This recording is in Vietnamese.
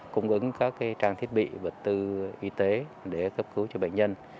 cung ứng các trang thiết bị vật tư y tế để cấp cứu cho bệnh nhân